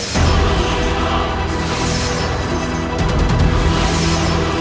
kau akan berpikir ulang